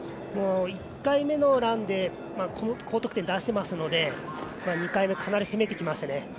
もう、１回目のランで高得点を出しているので２回目はかなり攻めてきましたね。